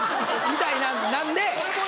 みたいなんで。